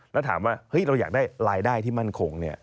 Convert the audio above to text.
แล้วถามว่าเฮ้ยเราอยากได้รายได้ที่มั่นคงเนี่ย